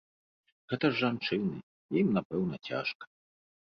Гэта ж жанчыны, ім напэўна цяжка.